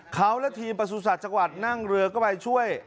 เขาและทีมประสูจน์ศาสตร์จังหวัดนั่งเรือก็ไปช่วย